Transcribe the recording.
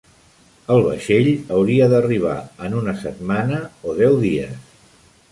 El vaixell hauria d'arribar en una setmana o deu dies.